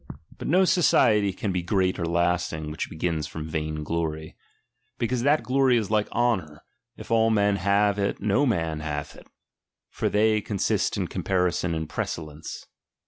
But no society can be great or lasting, which begins from vain glory. Because that glory is like honour ; if all men have it no man hath it, for they con sist in comparison and precellence.